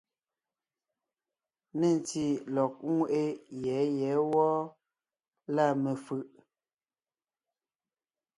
Nê ntí lɔ̀g ńŋeʼe yɛ̌ yɛ̌ wɔ́ɔ, lâ mefʉ̀ʼ.